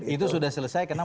itu sudah selesai karena